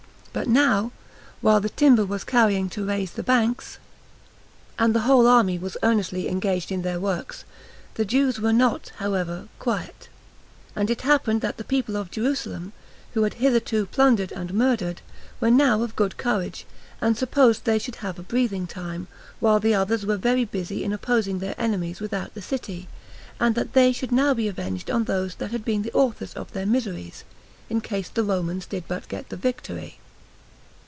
But now while the timber was carrying to raise the banks, and the whole army was earnestly engaged in their works, the Jews were not, however, quiet; and it happened that the people of Jerusalem, who had been hitherto plundered and murdered, were now of good courage, and supposed they should have a breathing time, while the others were very busy in opposing their enemies without the city, and that they should now be avenged on those that had been the authors of their miseries, in case the Romans did but get the victory.